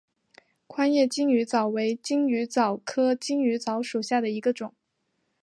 宽叶金鱼藻为金鱼藻科金鱼藻属下的一个种。